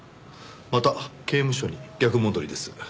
また刑務所に逆戻りです。